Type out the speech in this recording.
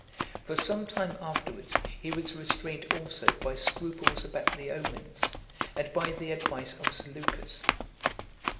For some time afterwards, he was restrained also by scruples about the omens, and by the advice of Seleucus.